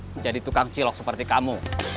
menjadi tukang cilok seperti kamu